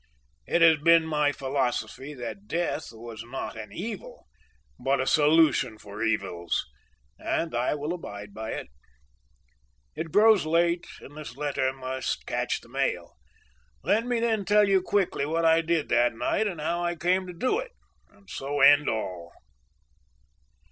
It has been my philosophy that death was not an evil, but a solution for evils, and I will abide by it. "It grows late and this letter must catch the mail. Let me then tell you quickly what I did that night, and how I came to do it, and so end all.